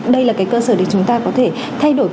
đây là cái cơ sở để chúng ta có thể thay đổi